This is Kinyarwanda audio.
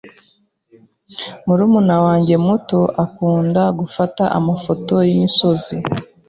Murumuna wanjye muto akunda gufata amafoto y'imisozi.